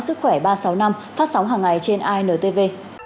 sức khỏe ba trăm sáu mươi năm phát sóng hàng ngày trên intv